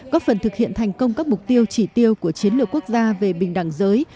góp phần thực hiện thành công các mục tiêu chỉ tiêu của chiến lược quốc gia về bình đẳng giới